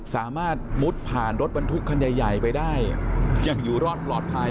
สามารถมุดผ่านรถบรรทุกคันใหญ่ไปได้อย่างอยู่รอดปลอดภัย